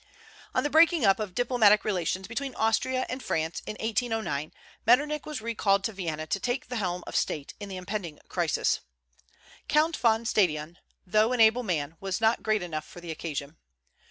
On the breaking up of diplomatic relations between Austria and France in 1809, Metternich was recalled to Vienna to take the helm of state in the impending crisis. Count von Stadion, though an able man, was not great enough for the occasion.